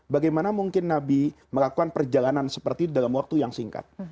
bagaimana mungkin nabi melakukan perjalanan seperti dalam waktu yang singkat